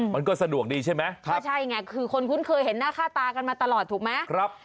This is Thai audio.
มันก็สะดวกดีใช่ไหมก็ใช่ไงคือคนคุ้นเคยเห็นหน้าค่าตากันมาตลอดถูกไหม